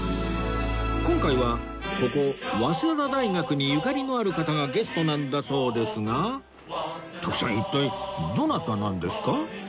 今回はここ早稲田大学にゆかりのある方がゲストなんだそうですが徳さん一体どなたなんですか？